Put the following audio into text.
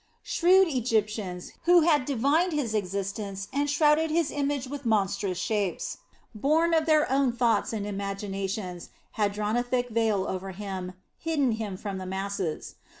Shrewd Egyptians, who had divined His existence and shrouded His image with monstrous shapes, born of their own thoughts and imaginations, had drawn a thick veil over Him, hidden Him from the masses.